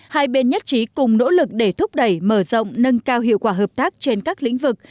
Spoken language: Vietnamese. hai bên nhất trí cùng nỗ lực để thúc đẩy mở rộng nâng cao hiệu quả hợp tác trên các lĩnh vực